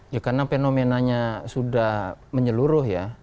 ya karena fenomenanya sudah menyeluruh ya